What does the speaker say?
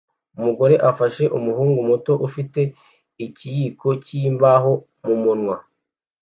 Umugore afashe umuhungu muto ufite ikiyiko cyimbaho mumunwa